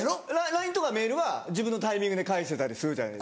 ＬＩＮＥとかメールは自分のタイミングで返せたりするじゃないですか。